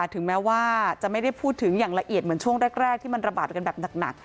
ถึงแม้ว่าจะไม่ได้พูดถึงอย่างละเอียดเหมือนช่วงแรก